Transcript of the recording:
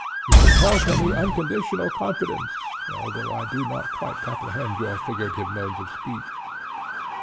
You compel from me unconditional confidence, although I do not quite comprehend your figurative modes of speech."